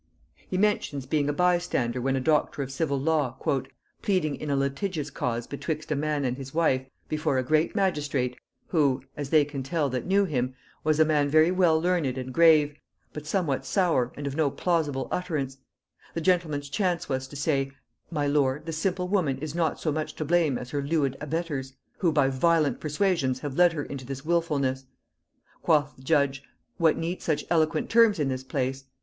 He mentions being a by stander when a doctor of civil law, "pleading in a litigious cause betwixt a man and his wife, before a great magistrate, who (as they can tell that knew him) was a man very well learned and grave, but somewhat sour and of no plausible utterance: the gentleman's chance was to say: 'My lord, the simple woman is not so much to blame as her leud abettors, who by violent persuasions have led her into this wilfulness.' Quoth the Judge; 'What need such eloquent terms in this place?'